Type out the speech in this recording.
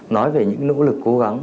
nói về những nỗ lực cố gắng